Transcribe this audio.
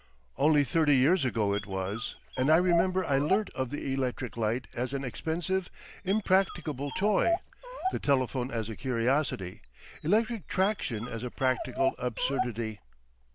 Only thirty years ago it was, and I remember I learnt of the electric light as an expensive, impracticable toy, the telephone as a curiosity, electric traction as a practical absurdity.